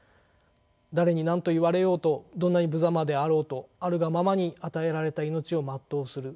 誰に何と言われようとどんなにぶざまであろうとあるがままに与えられた命を全うする。